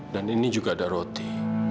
dan ini juga ada roti